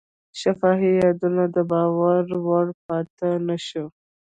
شفاهي یادونه د باور وړ پاتې نه شوه.